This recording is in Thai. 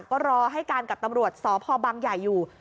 ก็รอให้การกับตำรวจสพบังใหญ่อยู่